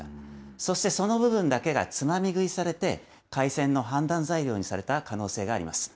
そしてその部分だけがつまみ食いされて、開戦の判断材料にされた可能性があります。